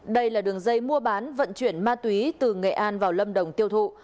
đây là đường dây mua bán vận chuyển ma túy từ nghệ an vào lâm đồng tiêu thụ